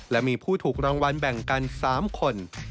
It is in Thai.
และมีผู้ถูกรางวัลแบ่งกัน๓คน